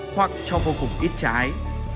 hoặc cho vô cùng ít trái